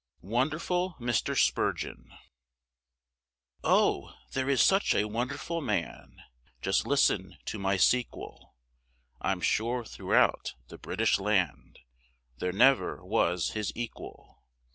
WONDERFUL MR. SPURGEON. Oh! there is such a wonderful man, Just listen to my sequel, I'm sure throughout the British land There never was his equal.